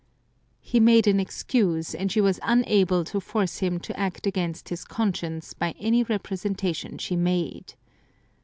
He made an excuse, and she was unable to force him to act against his conscience by any representation she made.